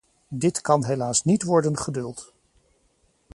Dit kan helaas niet worden geduld.